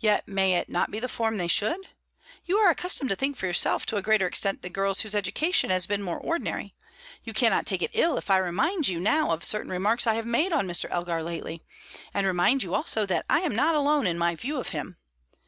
"Yet may it not be the form they should? You are accustomed to think for yourself to a greater extent than girls whose education has been more ordinary; you cannot take it ill if I remind you now of certain remarks I have made on Mr. Elgar lately, and remind you also that I am not alone in my view of him.